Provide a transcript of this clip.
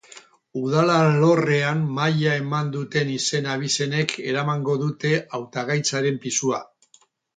Udal alorrean maila eman duten izen-abizenek eramango dute hautagaitzaren pisua.